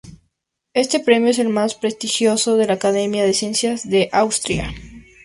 Este premio es el más prestigioso de la Academia de Ciencias de Austria.